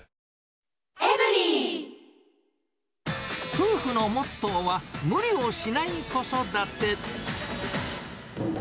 夫婦のモットーは、無理をしない子育て。